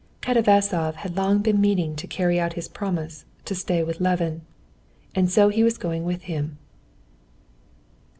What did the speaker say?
Katavasov had long been meaning to carry out his promise to stay with Levin, and so he was going with him.